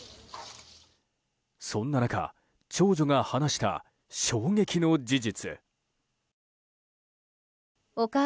そんな中長女が話した衝撃の事実。